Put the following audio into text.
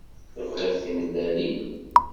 Tebɣiḍ timellalin?